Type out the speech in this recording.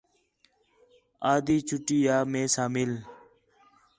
آدھی چُھٹی آ مئے ساں مِل